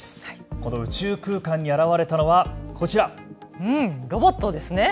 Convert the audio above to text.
この宇宙空間に現れたのはこちら、ロボットですね。